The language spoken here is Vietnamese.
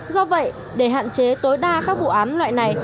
do vậy để hạn chế tối đa các vụ án loại này